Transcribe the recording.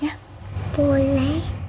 gak ada apa apa